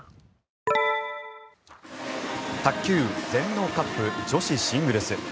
卓球全農ＣＵＰ女子シングルス。